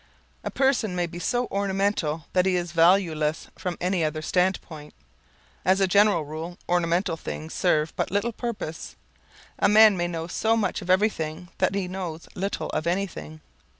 A person may be so ornamental that he is valueless from any other standpoint. As a general rule ornamental things serve but little purpose. A man may know so much of everything that he knows little of anything.